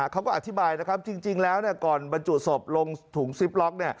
เขาก็อธิบายนะครับจริงแล้วก่อนบรรจุศพลงถุงซิปล็อก